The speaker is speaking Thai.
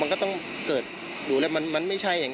มันไม่ใช่แหละมันไม่ใช่แหละ